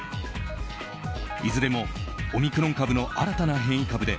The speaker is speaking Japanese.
いずれもオミクロン株の新たな変異株。